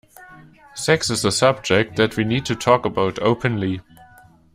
Sex is a subject that we need to talk about openly.